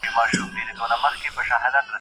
o د ډاله ږغ له ليري ښه خوند کوي